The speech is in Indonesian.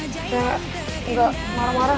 ya gak marah marah